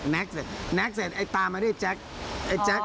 แน็กเสร็จตามมาด้วยไอ้แจ๊ก